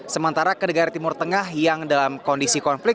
sementara ke negara timur tengah yang dalam kondisi konflik